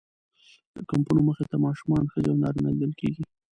د کمپونو مخې ته ماشومان، ښځې او نارینه لیدل کېږي.